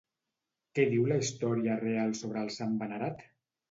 Què diu la història real sobre el sant venerat?